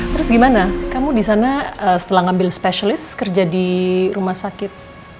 terus gimana kamu di sana setelah ngambil spesialis kerja di rumah sakit